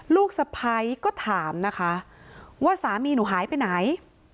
ลูกสะพ้ายก็ถามนะคะว่าสามีหนูหายไปไหน